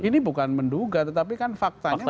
ini bukan menduga tetapi kan faktanya